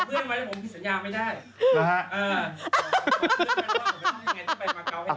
เหรอครับ